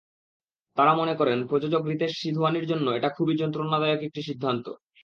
তাঁরা মনে করেন, প্রযোজক রিতেশ সিধওয়ানির জন্য এটা খুবই যন্ত্রণাদায়ক একটি সিদ্ধান্ত।